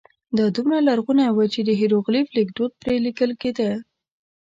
دا دومره لرغونی و چې د هېروغلیف لیکدود پرې لیکل کېده.